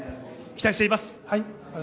期待しています。